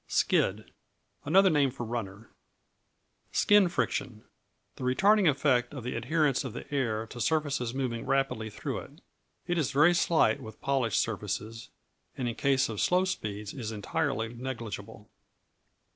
Skid Another name for runner. Skin Friction The retarding effect of the adherence of the air to surfaces moving rapidly through it. It is very slight with polished surfaces, and in case of slow speeds is entirely negligible.